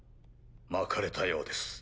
まかれたようです。